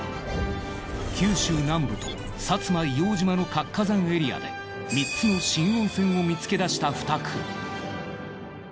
九州南部と薩摩硫黄島の活火山エリアで３つの新温泉を見つけ出した２組。